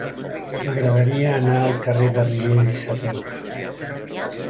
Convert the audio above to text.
M'agradaria anar al carrer de Riells a peu.